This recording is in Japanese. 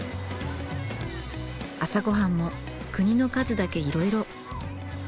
朝ごはんも国の数だけいろいろ。